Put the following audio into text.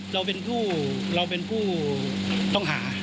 เราเป็นผู้ต้องหา